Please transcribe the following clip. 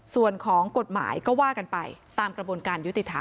ส่วนของกฎหมายก็ว่ากันไปตามกระบวนการยุติธรรม